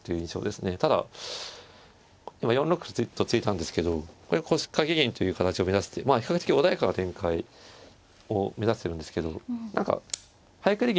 ただ今４六歩と突いたんですけどこれ腰掛け銀という形を目指して比較的穏やかな展開を目指してるんですけど何か早繰り